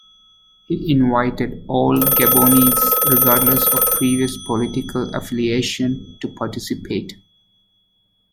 He invited all Gabonese, regardless of previous political affiliation, to participate.